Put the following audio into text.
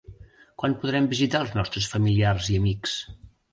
Quan podrem visitar els nostres familiars i amics?